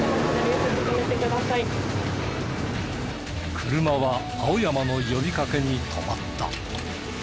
車は青山の呼びかけに止まった。